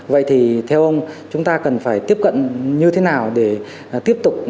vậy thì theo ông chúng ta cần phải tiếp cận như thế nào để tiếp tục